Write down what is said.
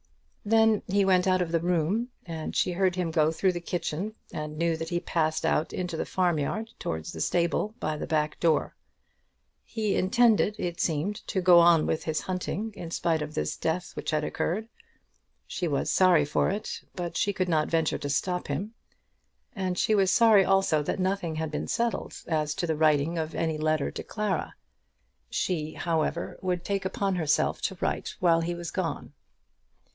Then he went out of the room, and she heard him go through the kitchen, and knew that he passed out into the farm yard, towards the stable, by the back door. He intended, it seemed, to go on with his hunting in spite of this death which had occurred. She was sorry for it, but she could not venture to stop him. And she was sorry also that nothing had been settled as to the writing of any letter to Clara. She, however, would take upon herself to write while he was gone.